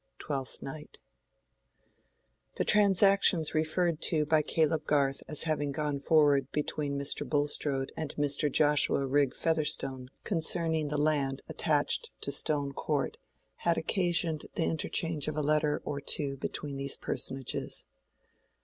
—Twelfth Night. The transactions referred to by Caleb Garth as having gone forward between Mr. Bulstrode and Mr. Joshua Rigg Featherstone concerning the land attached to Stone Court, had occasioned the interchange of a letter or two between these personages.